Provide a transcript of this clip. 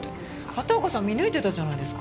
片岡さん見抜いてたじゃないですか。